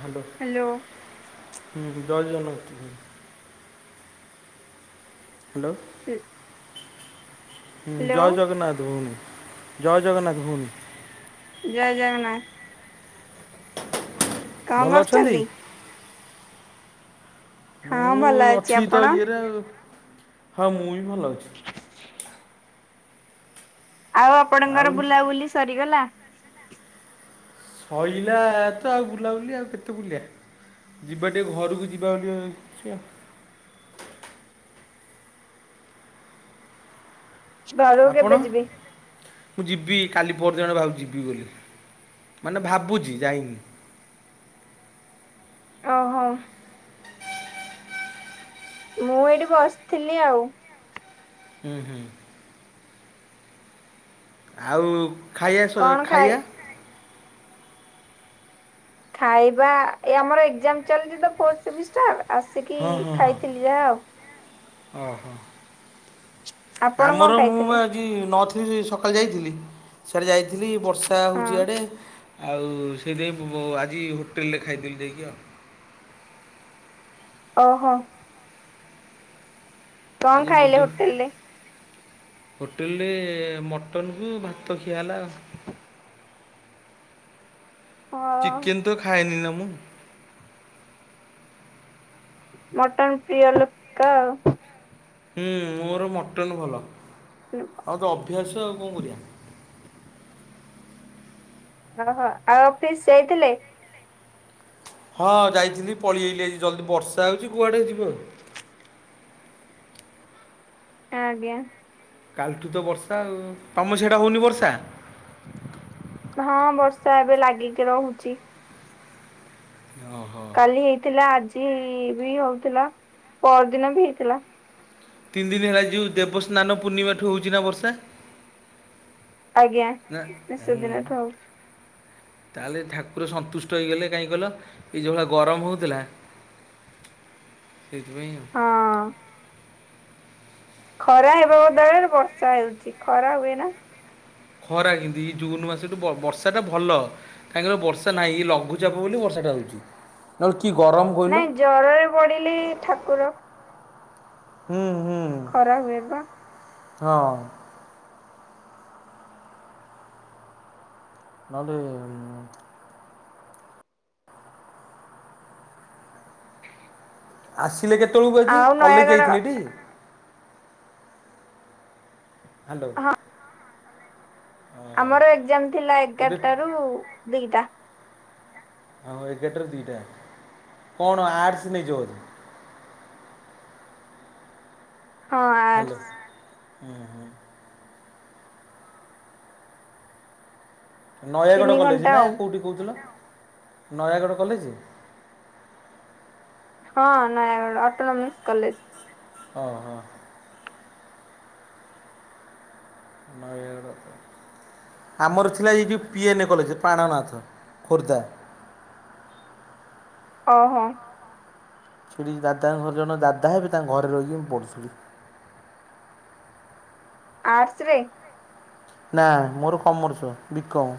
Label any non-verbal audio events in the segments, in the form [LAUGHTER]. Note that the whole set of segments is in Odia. ହାଲୋ। ହ୍ୟାଲୋ। ଜୟ ଜଗନ୍ନାଥ। ହ୍ୟାଲୋ। [INAUDIBLE] ହୁଁ ହ୍ୟାଲୋ ଜୟ ଜଗନ୍ନାଥ ଭଉଣୀ, ଜୟ ଜଗନ୍ନାଥ ଭଉଣୀ। ଜୟ ଜଗନ୍ନାଥ। କଣ ଭଲ ଅଛନ୍ତି କରୁଛନ୍ତି? ହଁ ମୁଁ ଭଲ ଅଛି ତ ଆପଣ? ଇଏରେ ଆଉ, ହଁ ମୁଁ ବି ଭଲ ଅଛି। [INAUDIBLE] ଆଉ ଆପଣଙ୍କର ଆଉ ବୁଲାବୁଲି ସରିଗଲା। ସଇଲା ତ ଆଉ ବୁଲାବୁଲି ଆଉ କେତେ ବୁଲିଵା। ଯିବା ଟିକେ ଘରକୁ ଯିବା ଟିକେ ଦେଖିଆ। ଘରକୁ ଆପଣ? କେବେ ଯିବି? ମୁଁ ଯିବି କାଲି ପରଦିନ ଆଡକୁ ଭାବୁଛି ଯିବି ବୋଲି ମାନେ ଭାବୁଛି ଯାଇନି। ଓହୋ। ମୁଁ ଏଇଠି ବସିଥିଲି ଆଉ। ହୁଁ ହୁଁ। ଆଉ ଖାଇଆ ସ କଣ ଖାଇ ଖାଇଆ? ଖାଇବା ଏ ଆମର ଏକ୍ଜାମ ଚାଲିଛି ତ ଫୋରସେମିସ [UNINTELLIGIBLE] ଆସିକି ହଁ ହଁ ହଁ ଖାଇଥିଲି ଯାହା ଆଉ। ଓହୋ ଆପଣ କଣ ଆମର ମୁଁ ଖାଇଥିଲେ? ବା ଆଜି ନଥିଲି ସକାଳେ ଯାଇଥିଲି ସିଆଡ଼େ ଯାଇଥିଲି ବର୍ଷା ହଁ ହେଉଛି ଇଆଡ଼େ। ଆଉ ସେଇଥିପାଇଁ ଆଜି ହୋଟେଲରେ ଖାଇଦେଲି ଯାଇକି ଆଉ। ଓହୋ କଣ ଆଜି ଖାଇଲେ ବୁଧୁ ହୋଟେଲରେ? ହୋଟେଲରେ ମଟନକୁ ଭାତ ଖିଆ ହେଲାଆଉ। ହଁ ଚିକେନ ତ ଖାଏନି ନା ମୁଁ। ମଟନ ପ୍ରିୟ ଲୋକ ଆଉ। ହୁଁ ମୋର ମଟନ୍ ଭଲ। [UNINTELLIGIBLE] ମୋର ତ ଅଭ୍ୟାସ ଆଉ କଣ କରିବା। ଅ ହ ଆଉ ଅଫିସ ଯାଇଥିଲେ? ହଁ ଯାଇଥିଲି ପଳେଇ ଆଈଲି ଆଜି ଜଲ୍ଦି ବର୍ଷା ହୋ ଉଚି କୁଆଡ଼େ ଯିବ ଆଉ। ଆଜ୍ଞା। କାଲିଠୁ ତ ବର୍ଷା ଆଉ ତମ ସେଇଟା ହୋଉନି ବର୍ଷା? ହଁ ବର୍ଷା ଏବେ ଲାଗିକି ରହୁଚି। ହଁ। କାଲି ହେଇଥିଲା ଆଜି ବି ହୋଉଥିଲା ପରଦିନ ବି ହେଇଥିଲା। ତିନି ଦିନ ହେଲା ଯେଉଁ ଦେବସ୍ନାନ ପୂର୍ଣ୍ଣିମାଠୁ ହୋଉଚି ନା ବର୍ଷା? ଆଜ୍ଞା ନା ହୁଁ ନିସେଦିନ ଠୁ ହୋଉଚି। ତାହେଲେ ଠାକୁର ସନ୍ତୁଷ୍ଟ ହେଇଗଲେ କାହିଁ କହିଲ ଏ ଯୋଉ ଭଳିଆ ଗରମ ହୋଉଥିଲା ସେଇଥିପାଇଁ ଆଉ ହଁ। ଖରା ହେବା ବଦଳରେ ବର୍ଷା ହେଉଚି ଖରା ହୁଏ ନା। ଖରା କେଏନ୍ତୀ ଜୁନ୍ ମାସଠୁ ବ ବର୍ଷାଟା ଭଲ କାହିଁକିନା ବର୍ଷା ନାହିଁ ଲଘୁଚାପ ବୋଲି ବର୍ଷାଟା ହୋ ଉଚି ନହେଲେ କି ଗରମ କହିଲ। ନାଇଁ ଜରରେ ପଡ଼ିଲି ଠାକୁର ହୁଁ ହୁଁ। ଖରା ହୁଏ ପା। ହଁ। ନହେଲେ ଉମ ଆସିଲେ କେତେବେଳକୁ ଆଜି ଆଉ କଲେଜ ନୟାଗଡ ଯାଇଥିଲେ ଟି? ହାଲୋ। ହଁ ଆମର ଏଗଜାମ ଥିଲା ଏବେ ଏଗାରଟା ରୁ ଦିଇଟା। ଆମର ଏାଗାରଟା ରୁ ଦିଇଟା କଣ ଆର୍ଟସ୍ ନେଇଚ ବୋଧେ? ହଁ ହାଲୋ ଆର୍ଟସ। ହୁଁ ହୁଁ। ନୟାଗଡ଼ ତିନି କଲେଜ ଘଣ୍ଟା ନା ଆଉ କୋଉଠି କୋହୁଥିଲ ନୟାଗଡ଼ କଲେଜ? ହଁ ନୟାଗଡ଼ ଅଟୋନମିସ୍ କଲେଜ। ଓ ହୋ। ନୟାଗଡ଼। ଆମର ଥିଲା ଏ ଯୋଉ ପି ଏନ୍ ଏ କଲେଜ ପ୍ରାଣନାଥ ଖୋର୍ଦ୍ଧା। ଓହୋ। ସେଠି ଦାଦାଙ୍କ ଘର ଜଣେ ଦାଦା ହେବେ ତାଙ୍କ ଘରେ ରହିକି ମୁଁ ପଢୁଥିଲି। ଆର୍ଟସ୍ ରେ? ନା ମୋର କମର୍ସ ବି କମ୍।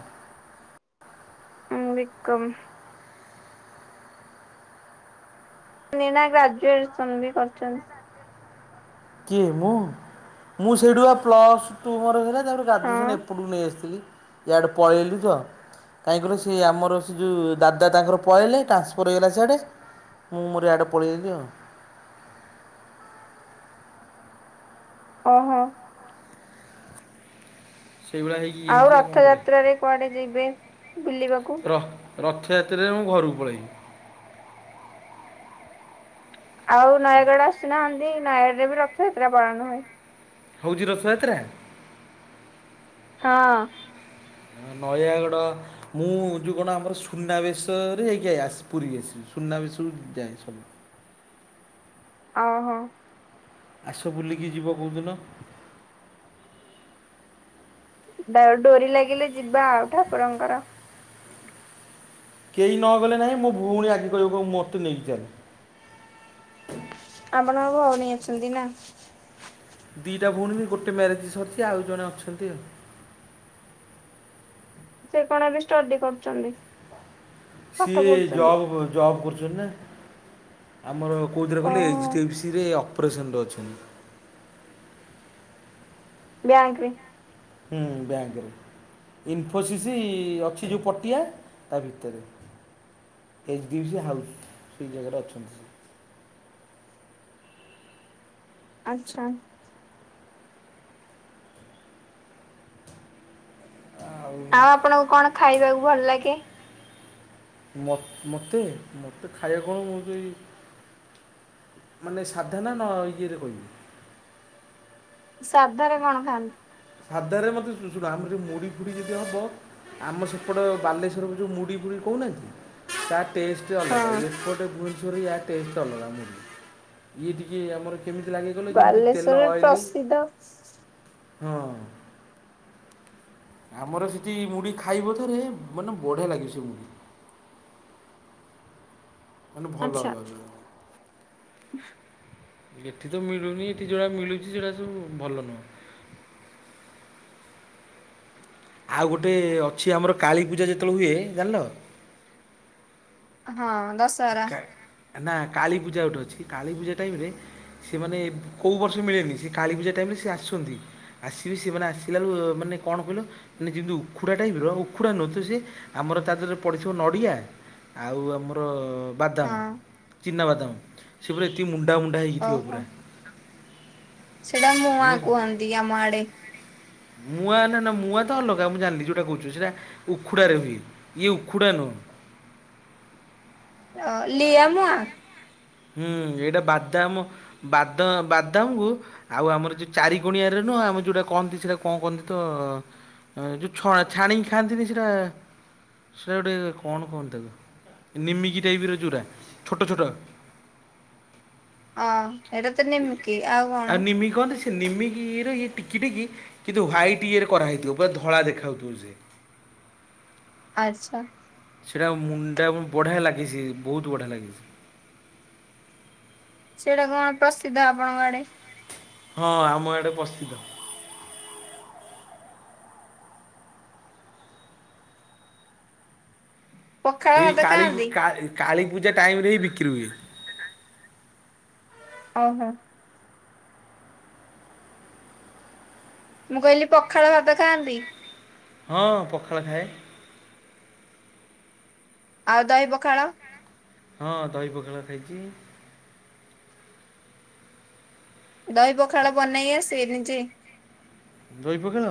ବିି କମ୍। ନୀନା ଗ୍ରାଜୁଏସନ ବି କରିଚନ୍ତି। କିଏ ମୁଁ ମୁଁ ସେଇଠୁ ବା ପ୍ଲସ୍ ଟୁ ମୋର ଥିଲା ତାଙ୍କର ହଁ ଗ୍ରାଜୁଏସନ୍ ଏପଟକୁ ନେଇଆସିଥିଲି। ଇଆଡେ ପଳେଇଲି ତ କାହିଁକିି କହିଲ ସେ ଆମର ସେ ଯୋଉ ଦାଦା ତାଙ୍କର ପଳେଇଲେ ଟ୍ରାନ୍ସଫର୍ ହେଇଗଲା ସେଆଡ଼େ। ମୁଁ ମୋର ଇଆଡ଼େ ପଳିଆଇଲି ଆଉ। ଓହୋ ସେଇଭଳିଆ ହେଇ ଆଉ ରଥଯାତ୍ରାରେ କୁଆଡେ ଯିବେ ବୁଲିବାକୁ? ର ରଥଯାତ୍ରାରେ ମୁଁ ଘରକୁ ପଳେଇବି। ଆଉ ନୟାଗଡ଼ ଆସୁନାହାନ୍ତି ନୟାଗଡ଼ରେ ବି ରଥଯାତ୍ରା ପାଳନ ହୁଏ। ହଉଛି ରଥଯାତ୍ରା? ହଁ ହଁ ନୟାଗଡ଼ ମୁଁ ଯୋଉ କଣ ଆମର ସୁନାବେଶରେ ଯାଇକି ଆ ଆସେ ପୁରୀ ଆସିବି, ସୁନାବେଶ ବେଳକୁ ଯାଏ ସବୁ ଅହୋ। ଆସ ବୁଲିକି ଯିବ କୋଉଦିନ? ତାକ ଡୋରି ଲାଗିଲେ ଯିବା ଆଉ ଠାକୁରଙ୍କର। କେହି ନ ଗଲେ ନାହିଁ ମୋ ଭଉଣୀ ଆଗେ କହିବ କହିବ ମୋତେ ନେଇକି ଚାଲେ। ଆପଣଙ୍କ ଭଉଣୀ ଅଛନ୍ତି ନା? ଦିଇଟା ଭଉଣୀରୁ ଗୋଟେ ମ୍ୟାରେଜ ସରିଛି ଆଉ ଜଣେ ଅଛନ୍ତି ଆଉ। ସେ କଣ ଏବେ ଷ୍ଟଡି କରୁଛନ୍ତି? ପାଠ ସିଏ ପଢୁଛନ୍ତି ଜବ୍ କ ଜବ୍ କରୁଛନ୍ତି ନା, ଆମର କୋଉଥିରେ କହିଲେ ଓହୋ ଏଚ୍ ଡି ଏଫ୍ ସିରେ ଅପରେସନରେ ଅଛନ୍ତି। ବ୍ୟାଙ୍କରେ। ହୁଁ ବ୍ୟାଙ୍କରେ। ଇନଫୋସିସ୍ ଅଛି ଯୋଉ ପଟିଆ ତା ଭିତରେ। ଏଚ୍ ଡିସ୍ ହାଉସ୍ ସେଇ ଜାଗାରେ ଅଛନ୍ତି। ଆଚ୍ଛା। ଆଉ ଆପଣଙ୍କୁ କଣ ଖାଇବାକୁ ଭଲ ଲାଗେ? ମତ୍, ମତେ ମତେ ଖାଇବାକୁ କଣ ମୁଁ ସେଇ ମାନେ ସାଧା ନା ନ ଇଏରେ କହିବି? ସାଧରେ କଣ ଖାଆନ୍ତି? ସାଧାରେ ମତେ ଶୁଶୁ ଶୁଣ ଆମରେ ମୁଢ଼ି ଫୁଢ଼ି ଯଦି ହବ ଆମ ସେପଟ ବାଲେଶ୍ୱରକୁ ଯୋଉ ମୁଡ଼ି ଫୁଡ଼ି କହୁନାହାନ୍ତି ତା ଟେଷ୍ଟ ଅଲଗା ହଁ ଏପଟେ ଭୁବନେଶ୍ୱର ଇଆ ଟେଷ୍ଟ ଅଲଗା ମୁଢ଼ି, ଇଏ ଟିକିଏ ଆମର କେମିତି ଲାଗେ କହିଲ ଯେମିତି ତେଲ ବାଲେଶ୍ଵରରେ ଅଏଲି। [UNINTELLIGIBLE] ହଁ। ଆମର ସେଠି ମୁଢ଼ି ଖାଇବ ଥରେ ମାନେ ବଢ଼ିଆ ଲାଗିବ ସେ ମୁଢ଼ି। ମାନେ ଭଲ ଆଚ୍ଛା। ଏଠି ତ ମିଳୁନି ଏଠି ଯୋଉଟା ମିଳୁଛି ସେଟା ସବୁ ଭଲ ନୁହଁ। ଆଉ ଗୋଟେ ଅଛି ଆମର କାଳୀ ପୂଜା ଯେତଳେ ହୁଏ ଜାଣିଲ ହଁ ଦଶ୍ କା, ନା କାଳୀପୂଜା ଗୋଟେ ଅଛି, କାଳୀପୂଜା ଟାଇମରେ ସିଏ ମାନେ କୋଉ ବର୍ଷ ମିଳେନି ସେ କାଳୀପୂଜା ଟାଇମରେ ସେ ଆସନ୍ତି। ଆସିବି ସିଏ ମାନେ ଆସିଲାଳୁ ମାନେ କଣ କହିଲ ମାନେ ଯେମିତି ଉଖୁଡ଼ା ଟାଇପର ଉଖୁଡ଼ା ନୁହଁ ତ ସିଏ ଆମର ତା ଦେହରେ ପଡ଼ିଥିବ ନଡିଆ ଆଉ ଆମର ହଁ ବାଦାମ ଚିନାବାଦାମ ସେ ପୁରା ଏତିକି ମୁଣ୍ଡା ମୁୁଣ୍ଡା ହେଇକିଥିବ ଓହୋ। ପୁରା। ସେଇଟା ମୁଆଁ କୁହନ୍ତି ଆମ ଆଡେ। ମୁଆଁ ନା ନା ନା ମୁଆଁ ତ ଅଲଗା ମୁଁ ଜାଣିଲି ଯେଉଁଟା କହୁଛି ସେଇଟା ଉଖୁଡ଼ାରେ ହୁଏ ଇଏ ଉଖୁଡ଼ା ନୁହଁ। ଅ ଲିଆ ମୁଆଁ? ହୁଁ ଏଇଟା ବାଦାମ ବାଦ ବାଦାମକୁ। ଆଉ ଆମର ଯୋଉ ଚାରି କଣିଆରେ ନୁହଁ ଆମେ ଯୋଉଟା କହନ୍ତି ସେଇଟା କଣ କହନ୍ତି ତ। ଏ ଯୋଉ ଛଣା ଛାଣିକି ଖାଆନ୍ତିନି ସେଇଟା। ସେଇଟା ଗୋଟେ କଣ କୁହନ୍ତି ତାକୁ ନିମିକି ଟାଇପ ର ଯୋଉରା ଛୋଟ ଛୋଟ। ଅ ହେଇଟା ତ ଏ ନିମିକି ଆଉ କଣ ଆକୁ ନିମିକି କହନ୍ତି। ନିମିକି ଇଏରେ ଇଏ ଟିକି ଟିକ କିନ୍ତୁ ହ୍ୱାଇଟ୍ ଇଏରେ କରାଇଥିବ ପୁରା ଧଳା ଦେଖା ଯାଉଥିବ ସେ। ଆଚ୍ଛା। ସେଇଟା ମୁଣ୍ଡା ବଢ଼ିଆ ଲାଗେ ସେ ବହୁତ ବଢ଼ିଆ ଲାଗେ ସେ। ସେଇଟା କଣ ପ୍ରସିଦ୍ଧ ଆପଣଙ୍କ ଆଡେ? ହଁ ଆମ ଆଡ଼େ ପ୍ରସିଦ୍ଧ। ପଖାଳ ସେଇ ଭାତ କାଳୀ ଖାଆନ୍ତି? କାଳ କାଳୀପୂଜା ଟାଇମ ରେ ହିଁ ବିକ୍ରି ହୁଏ। ଓହୋ। ମୁଁ କହିଲି ପଖାଳ ଭାତ ଖାଆନ୍ତି? ହଁ ପଖାଳ ଖାଏ। ଆଉ ଦହି ପଖାଳ। ହଁ ଦହି ପଖଳ ଖାଇଛି। ଦହି ପଖାଳ ବନେଇ ଆସେ ନିଜେ। ଦହି ପଖାଳ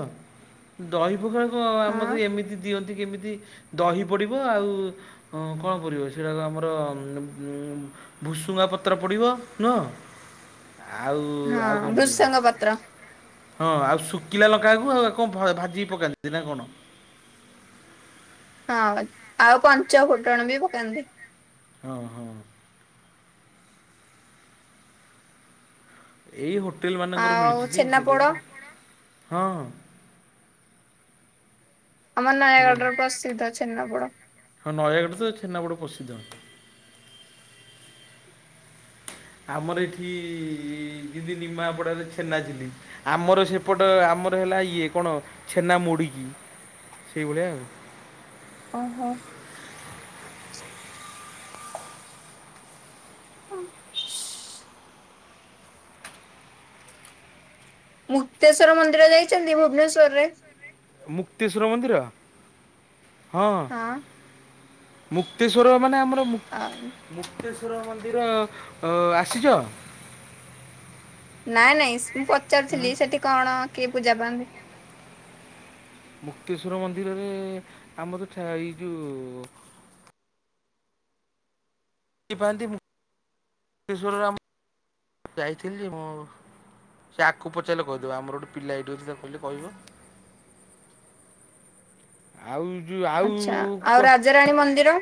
ଦହି ପଖଳ କଁ ହଁ ଆମତ ଏମିତି ଦିଅନ୍ତି କେମିତି। ଦହି ପଡ଼ିବ ଆଉ ଅଁ କଣ ପଡ଼ିବ ସେଟାକୁ ଆମର ଉମ୍ ଉମ୍। ଭୁସୁଙ୍ଗା ପତ୍ର ପଡ଼ିବ ନୁହଁ? ଆଉ। ହଁ ଆଉ କ'ଣ ପଡ଼ିବ ଭୃସଙ୍ଗ ପତ୍ର। ହଁ ଆଉ ଶୁଖିଲା ଲଙ୍କାକୁ ଆଉ ଆକୁ କଁ ଭାଜିିକି ପକାନ୍ତି ନା କଣ? ହଁ ଆଉ ପଞ୍ଚ ଫୁଟଣ ବି ପକାନ୍ତି। ହଁ ହଁ। ଏଇ ହୋଟେଲ ମାନଙ୍କରୁ ଆଉ ମିଳୁଛି ଯେ ଛେନାପୋଡ ସେଇଟାଇପର। ହଁ। ଆମ ଛେନା ନୟାଗଡ଼ ର ପ୍ରସିଦ୍ଧ ଛେନାପୋଡ। ହଁ ନୟାଗଡ଼ ତ ଛେନାପୋଡ଼ ପ୍ରସିଦ୍ଧ। ଆମର ଏଠି ଯିଁତି ନିମାପଡ଼ାରେ ଛେନାଝିଲି। ଆମର ସେପଟ ଆମର ହେଲା ଇଏ କଣ ଛେନା ମୁଡ଼ିକି ସେଇଭଳିଆ ଆଉ। ଓହୋ। ମୁକ୍ତେଶ୍ୱର ମନ୍ଦିର ଯାଇଛନ୍ତି ଭୁବନେଶ୍ୱର ରେ। ମୁକ୍ତେଶ୍ଵର ମନ୍ଦିର ହଁ। ମୁକ୍ତେଶ୍ଵର ମାନେ ଆମର ମୁ ହଁ। ମୁକ୍ତେଶ୍ଵର ମନ୍ଦିର ଅ ଆସିଛ? ନାଇଁ ନାଇଁ ସ୍ ମୁଁ ହଁ। ପଚାରୁଥିଲି ସେଠି କଣ କିଏ ପୂଜା ପାଆନ୍ତି? ମୁକ୍ତେଶ୍ୱର ମନ୍ଦିରରେ ଆମର ଥା ଏଇ ଯୋଉ। [UNINTELLIGIBLE] ଇଶ୍ୱର ରାମ୍। ଯାଇଥିଲି ଯେ ମୁଁ ସେ ଆଖୁ ପଚାରିଲେ କହିଦେବ ଆମର ଗୋଟେ ପିଲା ଏଇଠିଅଛି ତାକୁ କହିଲେ କହିବ। ଆଉ ଯୋଉ ଆଉ କ ରାଣୀ ମନ୍ଦିର।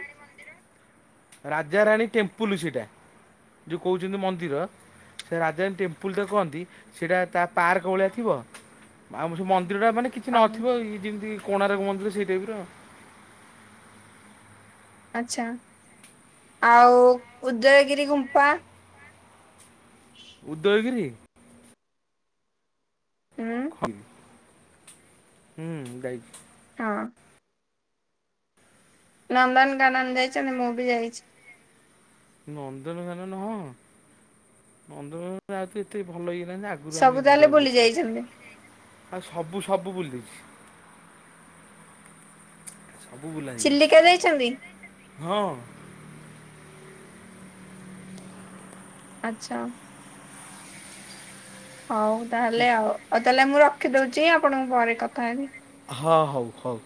ରାଜାରାଣୀ ଟେମ୍ପୁଲୁ ସେଇଟା। ଯଉ କହୁଛନ୍ତି ମନ୍ଦିର। ସେ ରାଜାରାଣୀ ଟେମ୍ପୁଲ୍ଟେ କହନ୍ତି। ସେଟା ତା ପାର୍କ ଭଳିଆ ଥିବ। ଆଉ ମେସେ ମନ୍ଦିର ଟା ମାନେ କିଛି ଆଉ ନଥିବ ଇ ଯେମିତି କୋଣାର୍କ ମନ୍ଦିର ସେଇ ଟାଇପି ର ଆଉ। ଆଚ୍ଛା। ଆଉ ଉଦୟଗିରି ଗୁମ୍ଫା। ଉଦୟଗିରି। ହୁଁ ଯାଇଛି। ହଁ। ନନ୍ଦନକାନ ଯାଇଛନ୍ତି ମୁଁ ବି ଯାଇଛି। ନନ୍ଦନକାନ ହଁ। ନନ୍ଦନକାନ ଆଉ ତି ତି ଭଲ ହେଇ ଗଲାନି ଆ ସବୁ ତାହେଲେ ବୁଲି ଯାଇଛନ୍ତି। ଆ ସବୁ ସବୁ ବୁଲିଦେଇଛି। ସବୁ ବୁଲା ଚିଲିକା ଯାଇଛନ୍ତି ହେଇଯାଇଛି। ହଁ। ଆଚ୍ଛା ହଉ। ହଉ ତାହେଲେ ଆଉ। ଆଉ ତାହେଲେ ମୁଁ ରଖିଦଉଛି ଆପଣଙ୍କ ପରେ କଥା ହେବି। ହଁ ହଉ ହଉ।